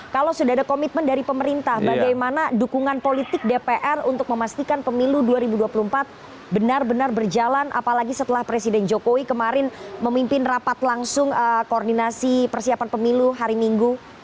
kalau sudah ada komitmen dari pemerintah bagaimana dukungan politik dpr untuk memastikan pemilu dua ribu dua puluh empat benar benar berjalan apalagi setelah presiden jokowi kemarin memimpin rapat langsung koordinasi persiapan pemilu hari minggu